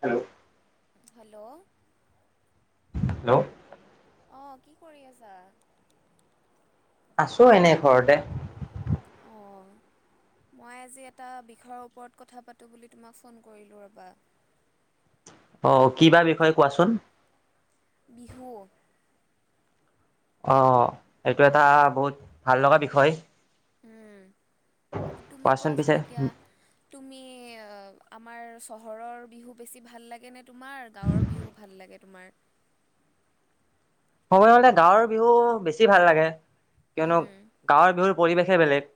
Hello hello hello আহ কি কৰি আছা আছো এনে ঘৰতে অঁ মই আজি এটা বিষয়ৰ ওপৰত কথা পাতোঁ বুলি তোমাক ফোন কৰিলোঁ ৰ'বা অ কিব বিষয়ে কোৱাচোন বিহু অ সেইটো এটা বহুত ভাল লগা বিষয় উম তুমি কোৱাচোন, এতিয়া তুমি আঁহ আমাৰ চহৰৰ বিহু বেছি ভাল লাগে নে? তোমাৰ গাঁৱৰ বিহু ভাল লাগে? তোমাৰ ক'বলৈ গ'লে হলে গাঁৱৰ বিহু বেছি ভাল লাগে? কিয়নো উম গাঁৱৰ বিহুৰ পৰিৱেশে বেলেগ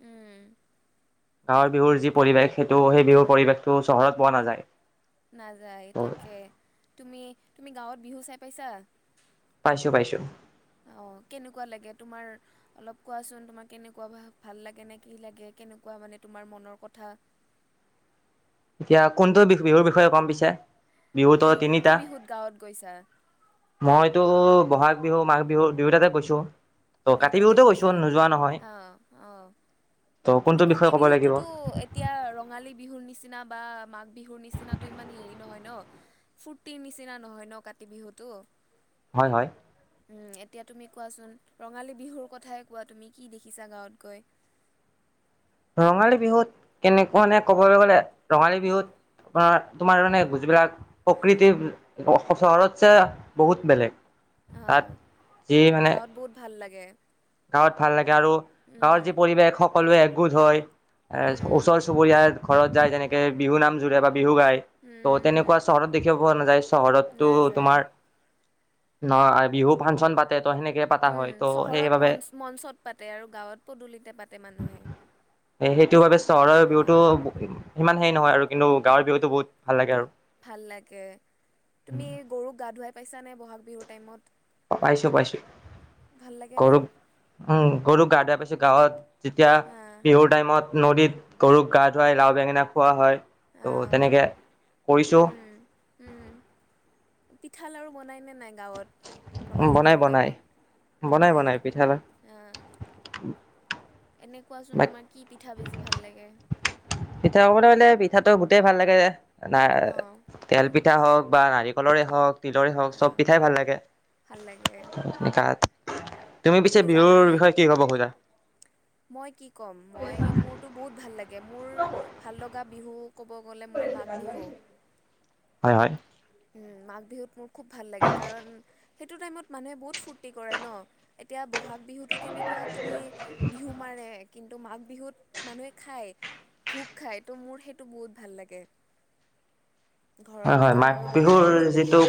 উম গাঁৱৰ বিহুৰ যি পৰিৱেশ সেইটো সেই বিহুৰ পৰিৱেশটো চহৰত পোৱা নাযায়। নাযায় তাকে তুমি তুমি গাঁৱত বিহু চাই পাইছা পাইছো পাইছো অঁ কেনেকুৱা লাগে তোমাৰ। অলপ কোৱাচোন তোমাক কেনেকুৱা ভ ভাল লাগে নে কি লাগে কেনেকুৱা মানে তোমাৰ মনৰ কথা- এতিয়া কোনটো বি বিহুৰ বিষয়ে গম পিছে- বিহুতো তুমি হয় কোনটো তিনিটা বিহুত গাঁৱত গৈছা মইতো বহাগ বিহু মাঘ বিহু দুয়োটাতে গৈছোঁ। দুয়োটাতে গৈছা অঁ, অঁ ত' কিন্তু কোনটো কাতি বিষয়ে ক'ব লাগিব বিহুটোতো এতিয়া ৰঙালী বিহুৰ নিচিনা বা মাঘ বিহুৰ নিচিনাটো ইমান হেৰি নহয় ন ফূৰ্তিৰ নিচিনা নহয় ন কাতি বিহুটো-' হয় হয়। উম এতিয়া তুমি কোৱাচোন ৰঙালী বিহুৰ কথাই কোৱা তুমি কি দেখিছা গাঁৱত গৈ ৰঙালী বিহুত কেনেকুৱানে ক'বলৈ গলে ৰঙালী বিহুত তোমাৰ তোমাৰ মানে যিবিলাক প্ৰকৃতিৰ চহৰত ছে বহুত বেলেগ অঁ তাত যি মানে গাঁৱত বহুত ভাল লাগে। লাগে গাঁৱত ভাল লাগে আৰু গাঁৱৰ যি পৰিৱেশ সকলোৱে একগোট হয়। এ উম, ওচৰ চুবুৰীয়াৰ ঘৰত যায় যেনেকে বিহু নাম জোৰে বা বিহু গাই উম, ত' উম, তেনেকুৱা চহৰত দেখিব পোৱা নাযায় চহৰতটো নাযায় তোমাৰ নোৱাৰা বিহু ফাংচন পাতে। ত' সেনেকে পাতা উম, হয় ত' চহৰত সেইবাবে মঞ্চ মঞ্চত পাতে আৰু গাঁৱত পদূলিতে পাতে মানুহে সেইটো ভাৱে চহৰৰ বিহুটো অঁ সিমান হেৰি নহয় আৰু কিন্তু গাঁৱৰ বিহুটো বহুত ভাল লাগে আৰু ভাল লাগে তুমি গৰুক গা ধুৱাই পাইছানে ব'হাগ বিহুৰ টাইমত [inaudible] ভাল লাগেনে গৰুক উম গৰুক গা ধোৱাই পাইছো গাঁৱত যেতিয়া হা বিহুৰ টাইমত নদীত গৰুক গা ধুৱাই লাও বেঙেনা খোওৱা হয় ত' অ' তেনেকে কৰিছো উম উম পিঠা লা়ৰু বনাইনে নাই গাঁৱত ৰঙালী বনাই বিহুৰ বনাই টাইমত বনাই এনে কোৱাচোন তোমাৰ কি পিঠা বেছি ভাল লাগে লে পিঠাটো গুতেই ভাল লাগে যে [unintelligible] নাই অঁ তেল পিঠা হওক বা নাৰিকলৰে হওক তিলৰে হওক চব অঁ পিঠাই ভাল লাগে ভাল লাগে তুমি পিছে বিহুৰ বিষয়ে কি ক'ব সুধা [unintelligible] মই কি ক'ম মই মোৰতো বহুত ভাল লাগে গে মোৰ ভাল লগা বা বিহু ক'ব [unintelligible] গ'লে মোৰ মাঘ বিহু হয় হয় উম মাঘ বিহুত ম খুব ভাল লাগে কাৰণ সেই টাইম মানুহে বহুত ফূুৰ্তি কৰে ন এতিয়া ব'হাগ বিহুটো কেনেকুৱা তুমি বিহু মাৰে কিন্তু মাঘ বিহুত মানুহে খায় ভোগ খায় ত' মোৰ সেইটো বহুত ভাল লাগে ঘৰত হয় হয় পিঠা মাঘ লাড়ু বনাই বিহুৰ বহুত যিটো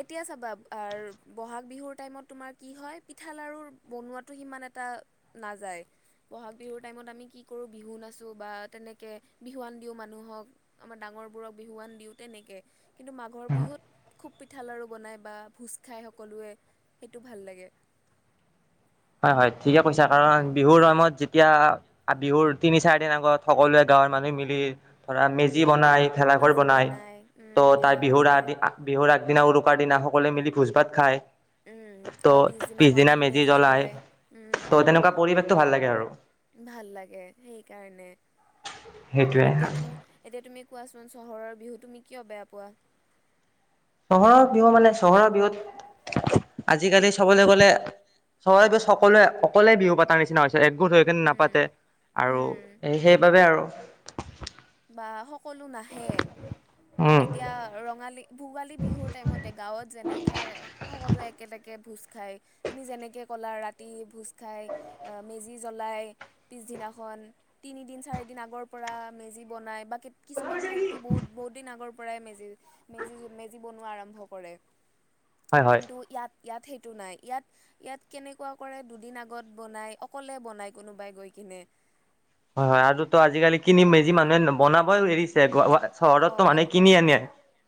এতিয়া [unintelligible] চাবা বহাগ বিহুৰ টাইমত তোমাৰ কি হয় পিঠা লাৰু বনোৱোটো সিমান এটা নাযায় বহাগ বিহুৰ টাইমত আমি কি কৰো বিহু নাচো বা তেনেকে বিহুৱান দিও মানুহক আমাৰ ডাঙৰ বোৰক বিহুৱান দিও তেনেকে [unintelligible] কিন্তু মাঘৰ বিহুত খুব পিঠা লাড়ু বনায় বা ভোজ খায় সকলোৱে সেইটো ভাল লাগে হয় হয়। ঠিকে কৈছা কাৰণ বিহুৰ সময়ত যেতিয়া আৰু বিহুৰ তিনি চাৰি দিন আগত সকলোৱে গাঁৱৰ মানুহ মিলি ধৰা মেজি বনাই ভেলাঘৰ মেজি বনাই বনায় ত তাৰ ভেলাঘৰ বিহুৰ বনায় আগদি বিহুৰ আগদিনা উ- উৰুকাৰ দিনা সকলোৱে মিলি ভোজ ভাত খায়, ত' পিছদিনা মেজি জ্বলায়। উম। টো ভাল লাগে আৰু। ভাল লাগে সেইকাৰণে। সেইটোৱে এতিয়া তুমি এতিয়া তুমি- কোৱাচোন চহৰৰ বিহু তুমি কিয় বেয়া পোৱা? চহৰৰ বিহু মানে চহৰৰ বিহুত আজিকালি চবলৈ গ'লে চহৰৰ বিহুত সকলোৱে অকলে বিহু পতাৰ নিচিনা হৈছে। একগোট হৈ কিনে উম, নাপাতে আৰু উম। সেইবাবে আৰু। বা সক- সকলো নাহে উম এতিয়া ৰঙালী- ভোগালী বিহুৰ টাইমতে গাঁৱত যেনেকে সকলোৱে একেলেগ- এই ভোজ খায়, তুমি যেনেকৈ ক'লা ৰাতি ভোজ খাই মেজি জ্বলায়, পিছদিনাখন তিনি দিন চাৰি দিন আগৰ পৰাই মেজি- বনাই বা- কিছুমান ঠাইতো বহুত বহু দিন আগৰ- প্ৰায় মেজি মেজি বনোৱা আৰম্ভ কৰে। হয় হয় কিন্তু ইয়াত- ইয়াত সেইটো নাই ইয়াত ইয়াত কেনেকুৱা কৰে দুদিন আগত বনায় অকলে বনায় কোনোবাই গৈ কেনে- হয় হয় আৰু তো আজিকালি কিনি মেজি মানুহে ন- বনাবই এৰিছে। অ চহৰততো মানুহে কিনি আনে।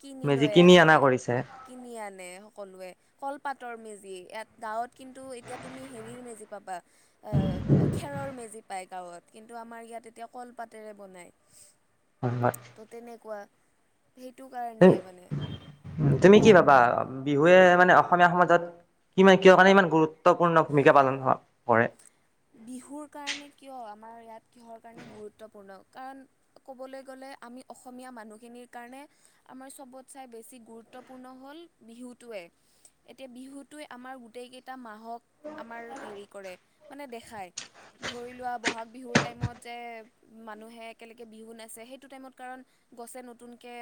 কিনি মেজি লৈ আহে অনা কৰিছে কিনি আনে সকলোৱে কল- পাতৰ মেজি ইয়াত গাঁৱত কিন্তু এতিয়া তুমি হেৰিৰ মেজি পাবা- এ খেৰৰ মেজি- পাই গাঁৱত কিন্তু আমাৰ ইয়াত এতিয়া কলপাতেৰে বনায়। অ হয়। ত' তেনেকুৱা। সেইটো এ কাৰণে মানে তুমি কি কোৱা ভাবা বিহুৱে- মানে অসমীয়া সমাজত ইমান কিহৰ কাৰণে ইমান গুৰুত্বপূৰ্ণ ভূমিকা পালন হ কৰে? বিহুৰ কাৰণে কিয় আমাৰ ইয়াত কিহৰ কাৰণে গুৰুত্বপূৰ্ণ কাৰণ ক'বলৈ গ'লে আমি অসমীয়া মানুহখিনিৰ কাৰণে আমাৰ চবত চাই বেছি গুৰুত্বপূৰ্ণ হ'ল বিহুটোৱে। এতিয়া বিহুটোৱে আমাৰ গোটেই কেইটা মাহ- হক আমাৰ হেৰি কৰে। মানে দেখাই ধৰি লোৱা বহাগ বিহুৰ টাইমত যে মানুহে একেলগে বিহু নাচে, সেইটো টাইমত কাৰণ গছে নতুনকে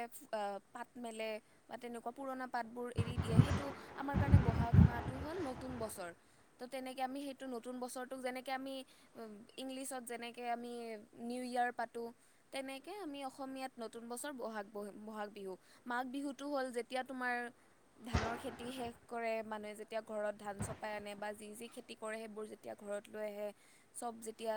পাত মেলে বা তেনেকুৱা পুৰণা পাতবোৰ এৰি দিয়ে, সেইটো আমাৰ কাৰণে বহাগ মাহটো হ'ল নতুন বছৰ। তেনেকে আমি সেইটো- নতুন বছৰটোক যেনেকে আমি ইংলিছত যেনেকে আমি নিউ ইয়াৰ পাতো। তেনেকে আমি অসমীয়াত নতুন বছৰ বহাগহ বহাগ বিহু মাঘ বিহুটো হ'ল যেতিয়া তোমাৰ ধানৰ খেতি শেষ কৰে মানে যেতিয়া ঘৰত ধান চপাই আনে বা যি যি খেতি কৰে সেইবোৰ- তেতিয়া ঘৰত লৈ আহে। চব যেতিয়া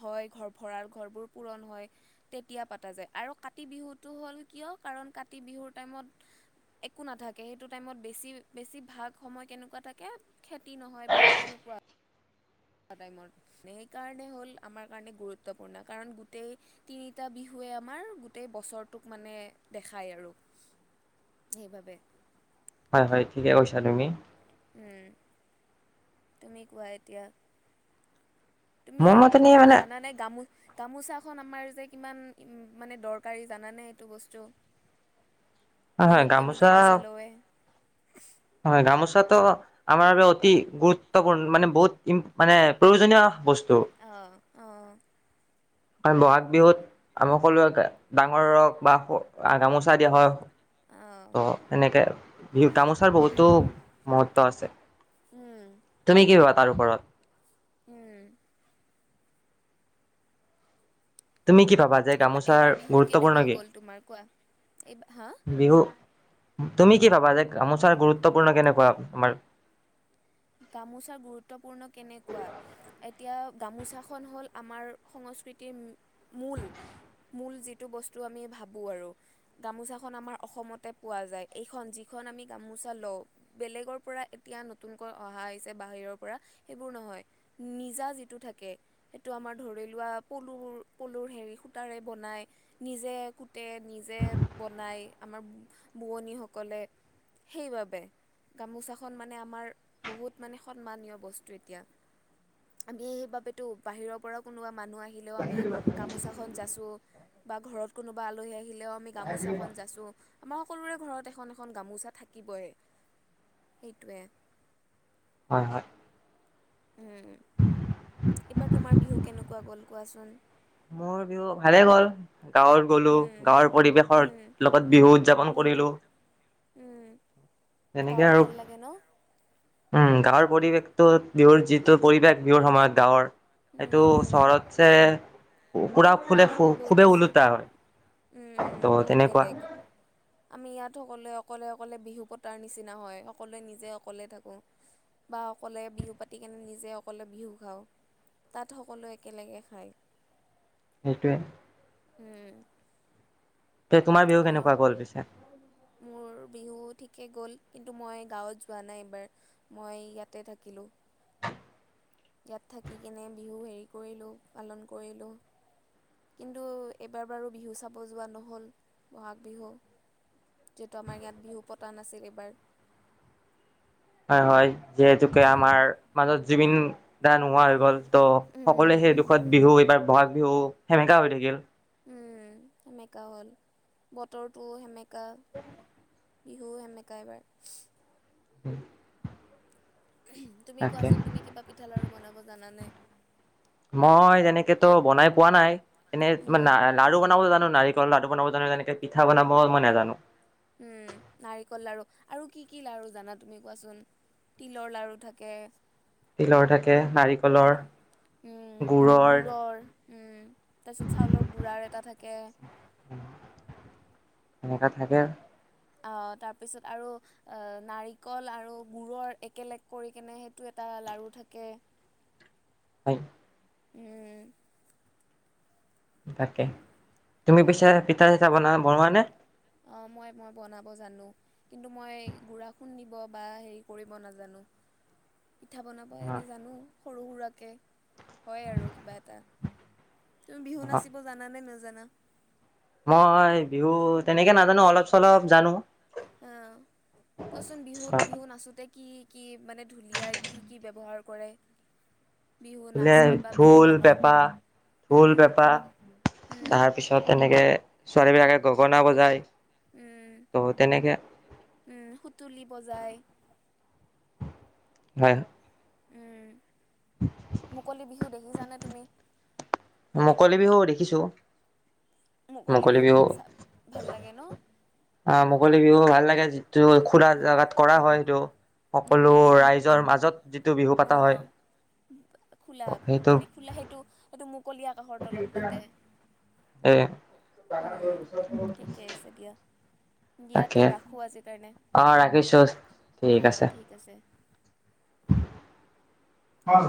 সেইয়া ঘৰ ভঁৰাল ঘৰবোৰ পূৰণ হয়, তেতিয়া পতা যায়। আৰু কাতি বিহুতটো হ'ল কিয়, কাৰণ কাতি বিহুৰ টাইমত একো নাথাকে সেইটো টাইমত বেছি বেছি ভাগ সময় কেনেকুৱা থাকে খেতি নহয় বা তেনেকুৱা। টাইমত, সেইকাৰণে হ'ল আমাৰ কাৰণে গুৰুত্বপূৰ্ণ কাৰণ গোটেই তিনিটা বিহুৱে আমাৰ গোটেই বছৰটোক মানে দেখায় আৰু, সেইবাবে হয় হয়, ঠিকে কৈছা তুমি। উম, তুমি কোৱা এতিয়া। তুমি মোৰ মতে নি আমাৰ মানে জানা নে গামো-গামোচাখন আমাৰ যে কিমান ম-মানে দৰকাৰী জানানে এইটো বস্তু। হয় হয় বিহুত আমি গামোচা লওৱে। হয় গামোচটো আমাৰ বাবে অতি গুৰুত্বপূৰ্ণ মানে বহুত মানে প্ৰয়োজনীয় বস্ত অঁ অঁ [unintelligible] অ বহাগ বিহুত, আমি সকলোৱে ডাঙৰক বা স গামোচা দিয়া হয়। অঁ অ, এনেকে বিহু গামোচাৰ বহুতো উম মহত্ব আছে। উম তুমি কি তাৰ ওপৰত উম। তুমি কি ভাবা যে এইবাৰ গামোচাৰ এইবাৰ বিহু গুৰুত্বপূৰ্ণ কেনেকুৱা কি? গ'ল তোমাৰ কোৱা এইবাৰ হা বিহু তুমি কি ভাবা যে গামোচাৰ গুৰুত্বপূৰ্ণ কেনেকুৱা? তোমাৰ গামোচাৰ গুৰুত্বপূৰ্ণ কেনেকুৱা, এতিয়া গামোচাখন হ'ল আমাৰ সংস্কৃতিৰ মূল মূল যিটো বস্তু আমি ভাবোঁ আৰু, গামোচাখন আমাৰ অসমতে পোৱা যায়। এইখন যিখন আমি গামোচা লওঁ, বেলেগৰ পৰা এতিয়া নতুন প অহা হৈছে বাহিৰৰ পৰা সেইবোৰ নহয়, নিজা যিটো থাকে সেইটো আমাৰ ধৰি লোৱা পলুৰ পলুৰ হেৰি সূতাৰে বনাই, নিজে কুটে, নিজে বনায় আমাৰ বোৱনীসকলে। সেইবাবে গামোচাখন মানে আমাৰ বহুত মানে সন্মানীয় বস্তু এতিয়া। আমি সেইবাবেতো বাহিৰৰ পৰা কোনোবা মানুহ আহিলেও আমি গামোচাখন যাছোঁ বা ঘৰত কোনোবা আলহী আহিলেও আমি গামোচাখন যাছো আমাৰ সকলোৰে ঘৰত এখন এখন গামোচা থাকিবই, সেইটোৱে হয় হয়। উম। এইবাৰ তোমাৰ বিহু কেনেকুৱা গ'ল, কোৱাচোন? মোৰ বিহু, ভালে গ'ল। গাঁৱত গলো, উম গাঁৱৰ পৰিৱেশৰ উম লগত বিহু উদযাপন উম কৰিলো। উম তেনেকে গাঁৱত আৰু ভাল লাগে ন উম, গাঁৱৰ পৰিৱেশটো বিহুৰ যিটো পৰিৱেশ বিহুৰ সময়ত গাঁৱৰ উম এইটো উম চহৰতছে পুৰা ফুলে বহুত বহুত খুবেই বেছি। ওলোটা হয় উম উম, ত' বহুত তেনেকুৱা বেলেগ আমি ইয়াত সকলোৱে অকলে অকলে বিহু পতাৰ নিচিনা হয়, সকলোৱে নিজে অকলে থাকোঁ বা অকলে বিহু পাতি কেনে নিজে অকলে বিহু খাওঁ। তাত সকলোৱে একেলগে খায়। সেইটোৱে। উম। তে তোমাৰ বিহু আৰু কেনেকুৱা গ'ল পিছে? মোৰ বিহু ঠিকেই গ'ল। কিন্তু, মই গাঁৱত যোৱা নাই এইবাৰ মই ইয়াতে থাকিলো। ইয়াত থাকি কিনে বিহু হেৰি কৰিলো পালন কৰিলো। কিন্তু এবাৰ বাৰু বিহু চাব যোৱা নহ'ল বহাগ বিহু, যিহেতু আমাৰ ইয়াত বিহু পতা নাছিল এইবাৰ। হয়, হয়। যিহেতুকে উম, আমাৰ মাজত জুবিন দা নোহোৱা হৈ গ'ল। ত' উম, সকলোৱে সেই দুখত বিহু এইবাৰ বহাগ বিহু সেমেকা হৈ থাকিল। উম, সেমেকা হ'ল বতৰটো সেমে কা বিহু সেমেকা এবাৰ। হয় তুমি কোৱাচোন তুমি কিবা পিঠা, লাৰু বনাব জানা নে? মই তেনেকেতো বনাই পোৱা নাই। এনেই উম। লাৰু বনাব জানো নাৰি লাডু বনাব জানো তেনেকে পিঠা বনাব মই নাজানো। উম, নাৰিকল লাৰু আৰু কি কি লাৰু জানা তুমি কোৱাচোন? তিলৰ লাৰু থাকে। তিলৰ থাকে নাৰিকলৰ, উম, গুৰৰ। উম, তাৰপিছত চাউলৰ গুড়াৰ এটা থাকে। সেনেকা থাকে। অ', তাৰপিছত আৰু আ নাৰিকল আৰু গুৰৰ একেলগ কৰি কেনে সেইটো এটা লাৰু থাকে। [unintelligible] উম। তাকে তুমি পিছে পিঠা চিঠা বন বনোৱা নে? অ', মই, মই বনাব জানো কিন্তু মই গুড়া খুন্দিব বা হেৰি কৰিব নাজানো। পিঠা বনাব অ এনেই জানো। সৰু সুৰাকে। হয়, আৰু কিবা এটা। তুমি বিহু অ নাচিব জানা নে? নেজ জানা মই বিহু তেনেকে নাজানো অলপ চলপ জানো। অ', কোৱাচোন বিহুত বিহু নাচোতে কি কি মানে ঢুলীয়াই কি কি ব্যৱহাৰ কৰে? বিহু ঢুলীয়াই নাচত বা বিহু ঢোল, গানত পেঁপা, ঢোল, উম পেঁপা উম তাৰ পিছত তেনেকে ছোৱালীবিলাকে গগনা বজায়। উম, ত' তেনেকে উম, সুতুলি বজাই। হয়। উম মুকলি বিহু দেখি কি জানে তুমি মুকলি বিহু দেখিছো মুকলি বিহু চাই ভাল লাগে ন কলি বিহু ভাল লাগে যি টো খোলা উম জেগাত কৰা হয় সেইটো সকলো উম মোক ৰাইজৰ মাজত যিটো বিহু পতা হয় অঁ অ খোলাত সেইটো মানে খোলা সেইটো সেইটো মুকলি আকাশৰ তলত পাতে এ উম। চৰত ইয়াতে ৰাখো আজিৰ কাৰ আহ ৰাখিছো ঠিক আছে হেল্ল